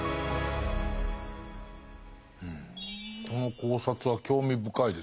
この考察は興味深いですね。